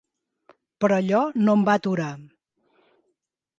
Però allò no em va aturar.